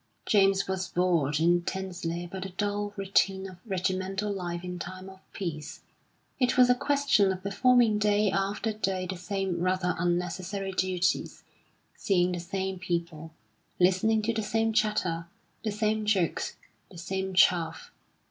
James was bored intensely by the dull routine of regimental life in time of peace; it was a question of performing day after day the same rather unnecessary duties, seeing the same people, listening to the same chatter, the same jokes, the same chaff.